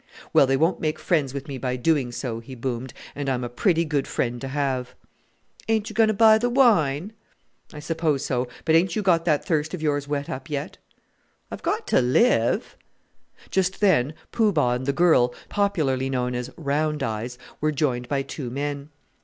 "Well, they won't make friends with me by doing so," he boomed, "and I'm a pretty good friend to have." "Ain't you going to buy the wine?" "I suppose so; but ain't you got that thirst of yours wet up yet?" "I've got to live." Just then Poo Bah and the girl, popularly known as "Round Eyes," were joined by two men.